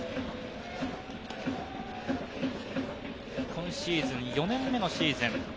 今シーズン４年目のシーズン。